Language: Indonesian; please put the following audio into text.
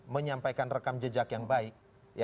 menyampaikan rekam jejak yang baik